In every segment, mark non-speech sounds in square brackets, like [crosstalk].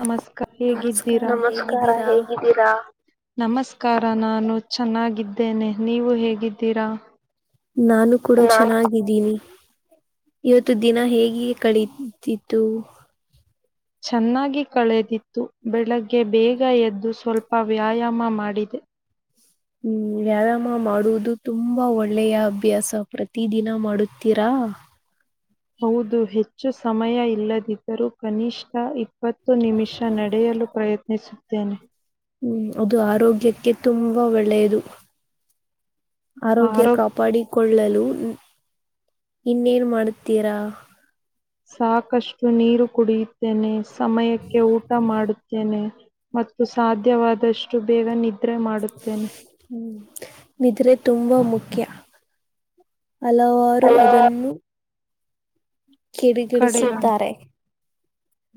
ನಮಸ್ಕಾರ ಹೇಗಿದ್ದೀರಾ ನಮಸ್ಕಾರ ಹೇಗಿದ್ದೀರಾ ನಮಸ್ಕಾರ ನಾನು ಚೆನ್ನಾಗಿದ್ದೇನೆ ನೀವು ಹೇಗಿದ್ದೀರಾ ನಾನು ಕೂಡ ಚೆನ್ನಾಗಿದ್ದೀನಿ ಇವತ್ತು ದಿನ ಹೇಗೆ ಕಳೀತಿತ್ತು ಚೆನ್ನಾಗಿ ಕಳೆದ್ ತ್ತು ಬೆಳಗ್ಗೆ ಬೇಗ ಎದ್ದು ಸ್ವಲ್ಪ ವ್ಯಾಯಾಮ ಮಾಡಿದೆ ಹ್ಮ್ ವ್ಯಾಯಾಮ ಮಾಡುವುದು ತುಂಬಾ ಒಳ್ಳೆಯ ಅಭ್ಯಾಸ ಪ್ರತ ದಿನ ಮಾಡುತ್ತೀರಾ ಹೌದು ಹೆಚ್ಚು ಸಮಯ ಇಲ್ಲದಿದ್ದರೂ ಕನಿಷ್ಠ ಇಪ್ಪ ಇಪ್ಪತ್ತು ನಿಮಿಷ ನಡೆಯಲು ಪ್ರಯತ್ನಿಸುತ್ತೇನೆ ಹ್ಮ್ ಅದು ಆರೋಗ್ಯಕ್ಕೆ ತುಂಬಾ ಒಳ್ಳೆಯದು ಆರೋಗ್ಯ ಕಾಪಾಡಿಕೊಳ್ಳಲಿ ಲು ಇನ್ನೇನ್ ಮಾಡತೀರಾ ಸಾಕಷ್ಟು ನೀರು ಕುಡಿಯುತ್ತೇನೆ ಸಮಯಕ್ಕೆ ಊಟ ಮಾಡುತ್ತೇನೆ ಮತ್ತು ಸಾಧ್ಯವಾದಷ್ಟು ಬೇಗ ನಿದ್ರೆ ಮಾಡುತ್ತೇನೆ ನಿದ್ರೆ ತುಂಬಾ ಮುಖ್ಯ ಹಲವಾರು ಅದನ್ನು ಕಡೆ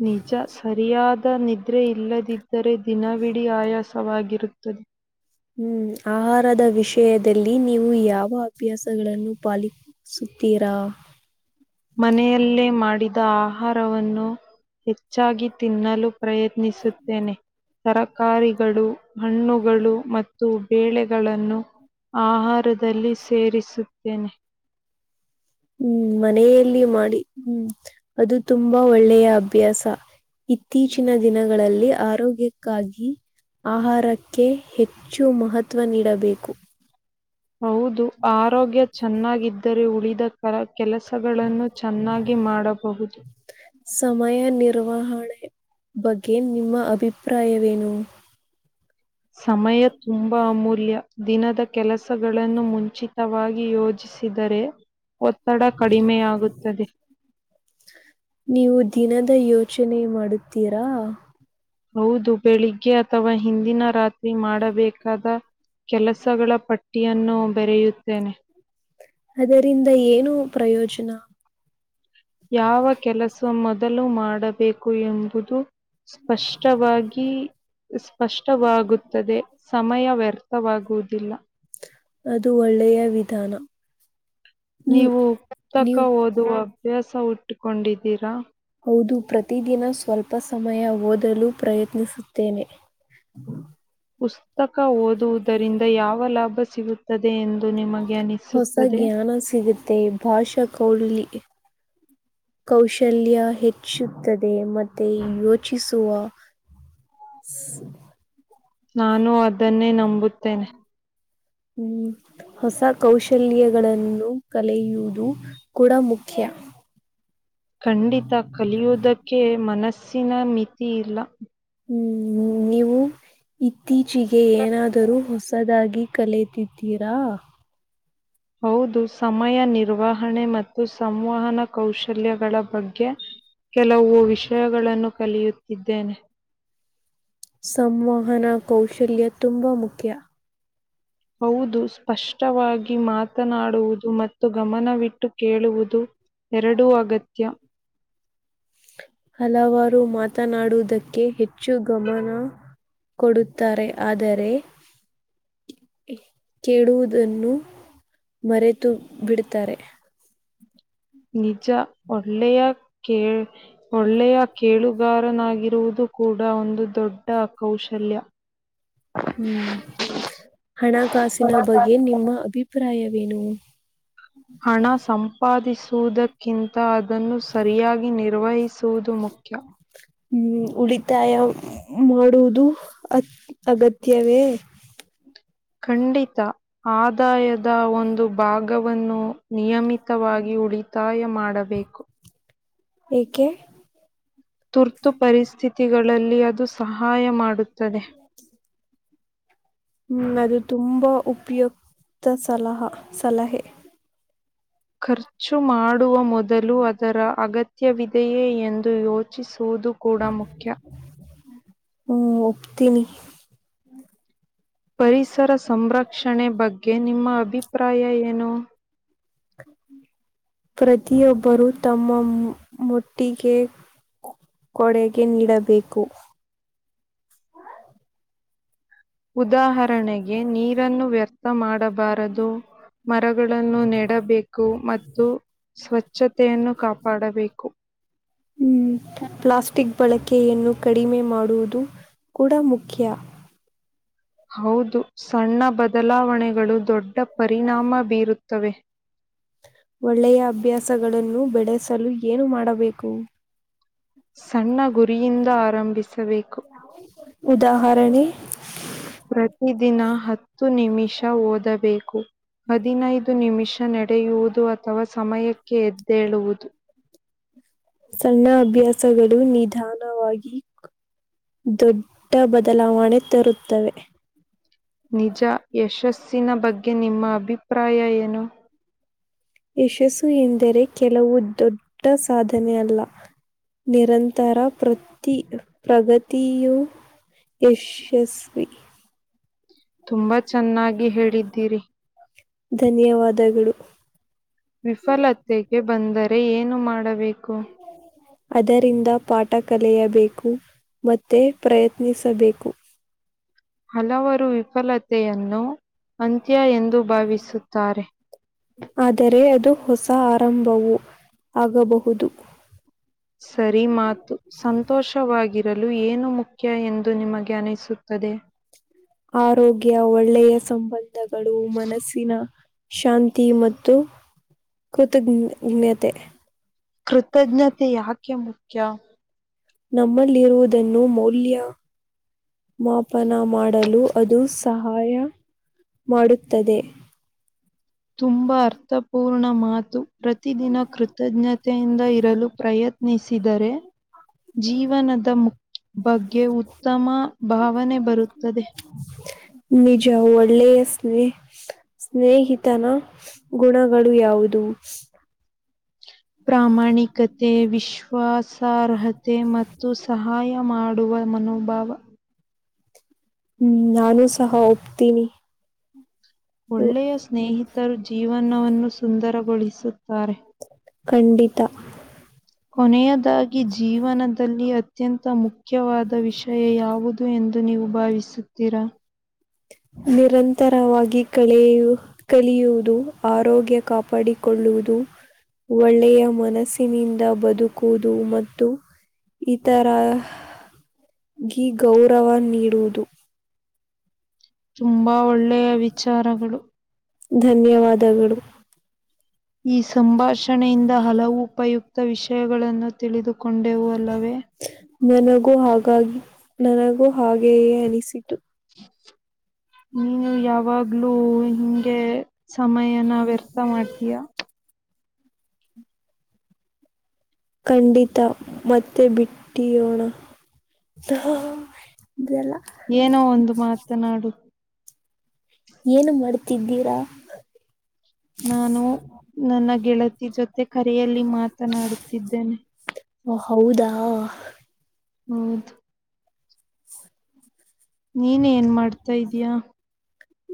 ನಿಜ ಸರಿಯಾದ ನಿದ್ರೆ ಇಲ್ಲದಿದ್ದರೆ ದಿನವಿಡೀ ಆಯಾಸವಾಗಿರುತ್ತದೆ ಹ್ಮ್ ಆಹಾರದ ವಿಷಯದಲ್ಲಿ ನೀವು ಯಾವ ಅಭ್ಯಾಸಗಳನ್ನು ಪಾಲ ಸುತಿ ತೀರಾ ಮನೆಯಲ್ಲೇ ಮಾಡಿದ ಆಹಾರವನ್ನು ಹೆಚ್ಚಾಗಿ ತಿನ್ನಲು ಪ್ರಯತ್ನಿಸುತ್ತೇನೆ ತರಕಾರಿಗಳು ಹಣ್ಣುಗಳು ಮತ್ತು ಮತ್ತು ಬೇಳೆಗಳನ್ನು ಆಹಾರದಲ್ಲಿ ಸೇರಿಸುತ್ತೇನೆ ಹ್ಮ್ ಮನೆಯಲ್ಲಿ ಮಾಡಿ ಹ್ಮ್ ಅದು ತುಂಬಾ ಒಳ್ಳೆಯ ಅಭ್ಯಾಸ ಇತ್ತೀಚಿನ ದಿನಗಳಲ್ಲಿ ಆರೋಗ್ಯಕ್ಕಾಗಿ ಆಹಾರಕ್ಕೆ ಹೆಚ್ಚು ಮಹತ್ವ ನೀಡಬೇಕು ಹೌದು ಆರೋಗ್ಯ ಚೆನ್ನಾಗಿದ್ದರೆ ಉಳಿದ ಕರ ಕೆಲಸಗಳನ್ನು ಚೆನ್ನಾಗಿ ಮಾಡಬಹುದು ಸಮಯ ನಿರ್ವಹಣೆ ಬಗ್ಗೆ ನಿಮ್ಮ ಅಭಿಪ್ರಾಯವೇನು ಸಮಯ ತುಂಬಾ ಅಮೂಲ್ಯ ದಿನದ ಕೆಲಸಗಳನ್ನು ಮುಂಚಿ ವ ಯೋಜಿಸಿದರೆ ಒತ್ತಡ ಕಡಿಮೆಯಾಗುತ್ತದೆ ನೀವು ದಿನದ ಯೋಚನೆ ಮಾಡುತ್ತೀರಾ ಹೌದು ಬೆಳಿಗ್ಗೆ ಅಥವಾ ಹಿಂದಿನ ರಾತ್ರಿ ಮಾಡಬೇಕಾದ ಕೆಲಸಗಳ ಪಟ್ಟಿಯನ್ನು ಬೆರೆಯುತ್ತೇನೆ ಅದರಿಂದ ಏನು ಪ್ರಯೋಜನ ಯಾವ ಕೆಲಸ ಮೊದಲು ಮಾಡಬೇಕು ಎಂಬುದು ಸ್ಪಷ್ಟವಾಗಿ ಸ್ಪಷ್ಟವಾಗುತ್ತದೆ ಸಮಯ ವ್ಯರ್ಥ ಮುವಾಗುವುದಿಲ್ಲ ಅದು ಒಳ್ಳೆಯ ವಿಧಾನ ನೀವು ಪುಸ್ತಕ ಓದುವ ಅಭ್ಯಾಸ ಉಟ್ಕೊಂಡಿದ್ದೀರಾ ಹೌದು ಪ್ರತಿದಿನ ಸ್ವಲ್ಪ ಸಮಯ ಓದಲು ಪ್ರಯತ್ನಿಸುತ್ತೇನೆ ಪುಸ್ತಕ ಓದುವುದರಿಂದ ಯಾವ ಲಾಭ ಸಿಗುತ್ತ ಹೊಸ ಜ್ಞಾನ ಸಿಗುತ್ತೆ ಭಾಷಾ ಕೌಲಿ ಕೌಶಲ್ಯ ಹೆಚ್ಚುತ್ತದೆ ಮತ್ತೆ ಯೋಚಿಸುವ ಹ್ಮ ನಾನು ಅದನ್ನೇ ನಂಬುತ್ತೇನೆ ಹ್ಮ್ ಹೊಸ ಕೌಶಲ್ಯಗಳನ್ನು ಕಲೆಯುವುದು ಕೂಡ ಮುಖ್ಯ ಖಂಡಿತ ಕಲಿಯುವುದಕ್ಕೆ ಮನಸ್ಸಿನ ಮಿತಿ ಇಲ್ಲ ಹ್ಮ್ ನೀವು ಇತ್ತೀಚಿಗೆ ಏನಾದರೂ ಹೊಸ ಸದಾಗಿ ಕಲತಿದ್ದೀರಾ ಹೌದು ಸಮಯ ನಿರ್ವಹಣೆ ಮತ್ತು ಸಂವಹನ ಕೌಶಲ್ಯಗಳ ಬಗ್ಗೆ ಕೆಲವು ವಿಷಯಗಳನ್ನು ಕಲಿಯುತ್ತಿದ್ದೇನೆ ಸಂವಹನ ಕೌಶಲ್ಯ ತುಂಬಾ ಮುಖ್ಯ ಹೌದು ಸ್ಪಷ್ಟವಾಗಿ ಮಾತನಾಡುವುದು ಮತ್ತು ಗಮನವಿಟ್ಟು ಕೇಳುವುದು ಎರಡೂ ಅಗತ್ಯ ಹಲವಾರು ಮಾತನಾಡುವುದಕ್ಕೆ ಹೆಚ್ಚು ಗಮನ ಕೊಡುತ್ತಾರೆ ಆದರೆ ಕೇಡುವುದನ್ನು ಮರೆತು ಬಿಡ್ತಾರೆ ನಿಜ ಒಳ್ಳೆಯ ಕೇಳ್ ಒಳ್ಳೆಯ ಕೇಳುಗಾರನಾಗಿ ಇರುವುದು ಕೂಡ ಒಂದು ದೊಡ್ಡ ಕೌಶಲ್ಯ ಹ್ಮ್ ಹಣಕಾಸಿನ ಬಗ್ಗೆ ನಿಮ್ಮ ಅಭಿಪ್ರಾಯ ಏನು ಹಣ ಸಂಪಾದಿಸುವುದಕ್ಕಿಂತ ಅದನ್ನು ಸರಿಯಾಗಿ ನಿರ್ವಹಿಸಿ ತೂದು ಮುಖ್ಯ ಹ್ಮ್ ಉಳಿತಾಯ ಮಾಡುವುದು ಅ ಅಗತ್ಯವೇ ಖಂಡಿತ ಆದಾಯದ ಒಂದು ಭಾಗವನ್ನು ನಿಯಮಿತವಾಗಿ ಉಳಿತಾಯ ಮಾಡಬೇಕು ಏಕೆ ತುರ್ತು ಪರಿಸ್ಥಿತಿಗಳಲ್ಲಿ ಅದು ಸಹಾಯ ಮಾಡುತ್ತದೆ ಹ್ಮ್ ಅದು ತುಂಬಾ ಉಪಯುಕ್ತ ಸಲಹಾ ಸಲಹೆ ಖರ್ಚು ಮಾಡುವ ಮೊದಲು ಅದರ ಅಗತ್ಯವಿದೆಯೇ ಎಂದು ಯೋಚಿಸುವುದು ಕೂಡ ಮುಖ್ಯ ಹ್ಮ ಪರಿಸರ ಸಂರಕ್ಷಣೆ ಬಗ್ಗೆ ನಿಮ್ಮ ಅಭಿಪ್ರಾಯ ಏನು [inaudible] ಪ್ರತಿಯೊಬ್ಬರೂ ತಮ್ಮ ಮೊ ಮೊಟ್ಟಿಗೆ ಕೊಡುಗೆ ನೀಡಬೇಕು ಉದಾಹರಣೆಗೆ ನೀರನ್ನು ವ್ಯರ್ಥ ಮಾಡಬಾರದು ಮರಗಳನ್ನು ನೆಡಬೇಕು ಮತ್ತು ಸ್ವಚ್ಛತೆಯನ್ನು ಕಾಪಾಡಬೇಕು ಹ್ಮ್ ಪ್ಲಾಸ್ಟಕ್ ಬಳಕೆಯನ್ನು ಕಡಿಮೆ ಮಾಡುವುದು ಕೂಡ ಮುಖ್ಯ ಹೌದು ಸಣ್ಣ ಬದಲಾವಣೆಗಳು ದೊಡ್ಡ ಪರಿಣಾಮ ಬೀರುತ್ತ ತವೆ ಒಳ್ಳೆಯ ಅಭ್ಯಾಸಗಳನ್ನು ಬೆಡೆಸಲು ಏನು ಮಾಡಬೇಕು ಸಣ್ಣ ಗುರಿಯಿಂದ ಆರಂಭಿಸಬೇಕು ಉದಾಹರಣೆ ಪ್ರತಿದಿನ ಹತ್ತು ನಿಮಿಷ ಓದಬೇಕು ಹದಿನೈದು ನಿಮಿಷ ನಡೆಯುವುದು ಅಥವಾ ಸಮಯಕ್ಕೆ ಎದ್ದೇಳುವುದು ಸಣ್ಣ ಅಭ್ಯಾಸಗಳು ನಿಧಾನವಾಗಿ ದೊಡ್ಡ ಬದಲಾವಣೆ ತರುತ್ತವೆ ನಿಜ ಯಶಸ್ಸಿನ ಬಗ್ಗೆ ನಿಮ್ಮ ಅಭಿಪ್ರಾಯ ಏನು ಯಶಸ್ಸು ಎಂದರೆ ಕೆಲವು ದೊಡ್ಡ ಸಾಧನೆ ಅಲ್ಲ ನಿರಂತರ ಪ್ರತಿ ಪ್ರಗತಿಯು ಯಶಸ್ವಿ ತುಂಬಾ ಚೆನ್ನಾಗಿ ಹೇಳಿದ್ದೀರಿ ಧನ್ಯವಾದಗಳು ವಿಫಲತೆಗೆ ಬಂದರೆ ಏನು ಮಾಡಬೇ [unintelligible] ಅದರಿಂದ ಪಾಠ ಕಲಿಯಬೇಕು ಮತ್ತೆ ಪ್ರಯತ್ನಿಸಬೇಕು ಹಲವರು ವಿಫಲತೆಯನ್ನು ಅಂತ್ಯ ಎಂದು ಭಾವಿಸುತ್ತಾರೆ ಆದರೆ ಅದು ಹೊಸ ಆರಂಭವೂ ಆಗಬಹುದು ಸರಿ ಮಾತು ಸಂತೋಷವಾಗಿ ಗಲು ಏನು ಮುಖ್ಯ ಎಂದು ನಿಮಗೆ ಅನಿಸುತ್ತದೆ ಆರೋಗ್ಯ ಒಳ್ಳೆಯ ಸಂಬಂಧಗಳು ಮನಸ್ಸಿನ ಶಾಂತಿ ಮತ್ತು ಕೃತಜ್ಞ್ಞತೆ ಕೃತಜ್ಞತೆ ಯಾಕೆ ಮುಖ್ಯ ನಮ್ಮಲ್ಲಿರುವುದನ್ನು ಮೌಲ್ಯ ಮಾಪನ ಮಾಡಲು ಅದು ಸಹಾಯ ಮಾಡುತ್ತದೆ ತುಂಬಾ ಅರ್ಥಪೂರ್ಣ ಮಾತು ಪ್ರತಿದಿನ ಕೃತಜ್ಞತೆಯಿಂದ ಇರಲು ಪ್ರಯತ್ ಯತ್ನಿಸಿದರೆ ಜೀವನದ ಮುಖ್ಯ [unintelligible] ನಿಜ ಒಳ್ಳೆಯ ಸ್ನೇಹ ಸ್ನೇಹಿತನ ಗುಣಗಳು ಯಾವುದು ಪ್ರಾಮಾಣಿಕತೆ ವಿಶ್ವಾಸಾರ್ಹತೆ ಮತ್ತು ಸಹಾಯ ಮಾಡ ಕೊಡುವ ಮನೋಭಾವ ಹ್ಮ್ ನಾನು ಸಹ ಒಪ್ತೀನಿ ಒಳ್ಳೆಯ ಸ್ನೇಹಿತರು ಜೀವನವನ್ನು ಸುಂದರಗೊಳಿಸುತ್ತಾರೆ ಖಂಡಿತ ಕೊನೆಯದಾಗಿ ಜೀವನದಲ್ಲಿ ಅತ್ ಅತ್ಯಂತ ಮುಖ್ಯವಾದ ವಿಷಯ ಯಾವುದು ಎಂದು ನೀವು ಭಾವಿಸುತ್ತೀರಾ ನಿರಂತರವಾಗಿ ಕ ಕಲಿಯುವುದು ಆರೋಗ್ಯ ಕಾಪಾಡಿ ಕೊಳ್ಳುವುದು ಒಳ್ಳೆಯ ಮನಸ್ಸಿನಿಂದ ಬದುಕುವುದು ಮತ್ತು ಇತ್ ತರ ಗಿ ಗೌರವ ನೀಡುವುದು ತುಂಬಾ ಒಳ್ಳೆಯ ವಿಚಾರಗಳು ಧನ್ಯವಾದಗಳು ಈ ಸಂಭಾಷಣೆಯಿಂದ ಹಲವು ಉಪಯುಕ್ತ ವಿಷಯಗಳನ್ನು ತಿಳಿದು ಕೊಂಡೆವು ಅಲ್ಲವೇ ನನಗೂ ಹಾಗಾಗಿ ನನಗೂ ಹಾಗೆಯೇ ಅನಿಸಿತು ಹ್ಮ ನೀವು ಯಾವಾಗ್ಲೂ ಹಿಂಗೆ ಸಮಯನ ವ್ಯರ್ಥ ಮಾಡ್ತೀಯಾ ಖಂಡಿತ ಮತ್ತೆ ಬಿಟ್ಟಿಯೋಣ ಇದೆಲ್ಲ ಏನು ಮಾಡ್ತಿದ್ದೀರಾ ನಾನು ನನ್ನ ಗೆಳತಿ ಜೊತೆ ಕರೆಯಲ್ಲಿ ಮಾತನಾಡುತ್ತಿದ್ದೇನೆ ಓ ಹೌದಾ ಹೌದು ನೀನ್ ಏನ್ ಮಾಡಾ್ತಾ ಇದಯಾ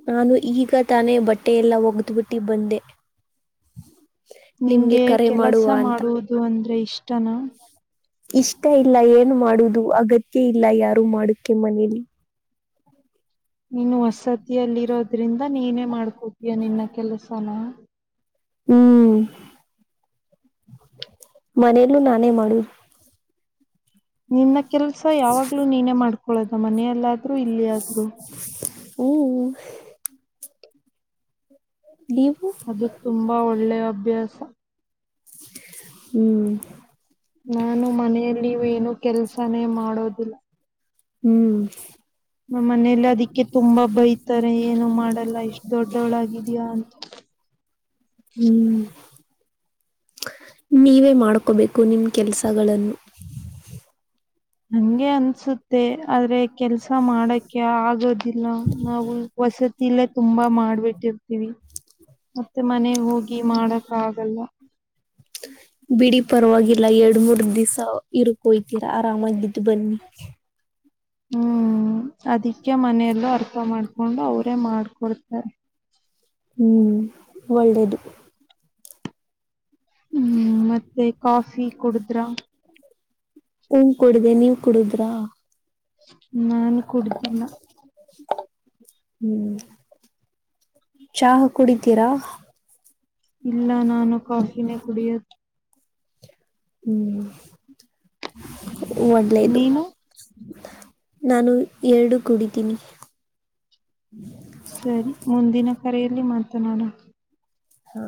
ನಾನು ಈಗ ತಾನೇ ಬಟ್ಟೆಯೆಲ್ಲ ಒಗೆ್ದ್ಬಿಟ್ಟು ಬಂದೆ ನಿಂಗೆ ಕೆಲಸ ಮಾಡುವುದು ಅಂದ್ರೆ ಇಷ್ಟನಾ ಇಷ್ಟ ಇಲ್ಲ ಏನು ಮಾಡುವುದು ಅಗತ್ಯ ಇಲ್ಲ ಯಾರು ಮಾಡಕೆ ಮನೇಲಿ ನೀನು ವಸತಿಯಲ್ಲಿರೋದ್ರಿಂದ ನೀನೇ ಮಾಡ್ಕೊತೀಯ ನಿನ್ನ ಕೆಲಸನ ಹ್ಮ್ ಮನೇಲ್ಲೂ ನಾನೇ ಮಾಡುದು ನಿನ್ನ ಕೆಲ್ಸ ಯಾವಾಗ್ಲೂ ನೀನೇ ಮಾಡ್ಕೊೊಳ್ಳದ ಮನೆಯಲ್ಲಾದ್ೂ ಇಲ್ಲಿಾದ್ರು ಹ್ಮ್ ಲ [unintelligible] ಅದು ತುಂಬಾ ಒಳ್ಳೆಯ ಅಭ್ಯಾಸ ಹ್ಮ್ ನಾನು ಮನೆಯಲ್ಲಿ ಏನು ಕೆಲ್ಸನೇ ಮಾಡೋದಿಲ್ಲ ಹ್ಮ್ ಹ್ಮ ಹ್ಮ್ ನೀವೇ ಮಾಡ್ಕೋಬೇಕು ನಿಮ ಕೆಲಸಗಳನ್ನು ಹಂಗೆ ಅನ್ಸುತ್ತ ಮತ್ತ ಆದ್ರೆ ಕೆಲ್ಸ ಮಾಡಕೆ ಆಗದಿಲ್ಲ ನಾವು ವಸತಿಲ್ಲೇ ತುಂಬಾ ಮಾಡ್ಬಿಟ್ಟಿರ್ತೀವಿ ಮತ್ತೆ ಮನೆ ಹೋಗಿ ಮಾಡಕ ಆಗಲ್ಲ ಬಿಡಿ ಪರವಾಗಿಲ್ಲ ಎರಡ್ ಮೂರ್ ದಿವ್ ಇರುಕ ವೈಯ್ತೀರಾ ಆರಾಮಾಗಿದ್ದು ಬನ್ನಿ [unintelligible] ಹ್ಮ್ ಅದಿಕ್ಕೆ ಮನೆಯಲ್ಲೂ ಅರ್ಥ ಮಾಡ್ಕೊಂಡು ಅವರೇ ಮಾಡ್ಕೊಡ್ತಾರೆ ಹ್ಮ್ ಒಳ್ಳೇದು ಹ್ಮ್ ಮತ್ತೆ ಕಾಫಿ ಕುಡಿದ್ರ ಟಿ ಕುಡಿದಿನಿ ನೀವು ಕುಡುದ್ರಾ ನಾನು ಕುಡ್ದಿಲ್ಲ ಹ್ಮ್ ಚಾಹು ಕುಡಿತೀರಾ ಇಲ್ಲ ನಾನು ಕಾಫಿನೇ ಕುಡಿಯದು ಹ್ಮ್ ಒಳ್ಳೇದು ನಾನು ಎರಡು ಕುಡಿತೀನಿ ಸರಿ ಮುಂದಿನ ಕರೆಯಲ್ಲಿ ಮಾತನಾಡ ಹಾ